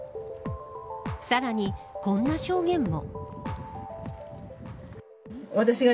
さらに、こんな証言も。